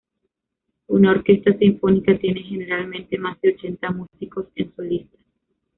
Una orquesta sinfónica tiene, generalmente, más de ochenta músicos en su lista.